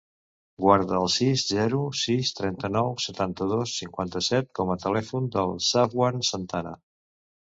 Guarda el sis, zero, sis, trenta-nou, setanta-dos, cinquanta-set com a telèfon del Safwan Santana.